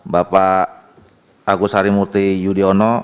bapak agus harimurti yudhoyono